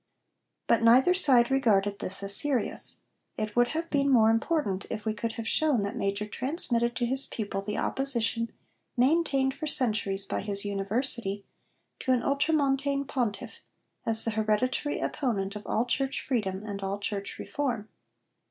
But neither side regarded this as serious. It would have been more important if we could have shown that Major transmitted to his pupil the opposition maintained for centuries by his university to an ultramontane Pontiff as the hereditary opponent of all Church freedom and all Church reform.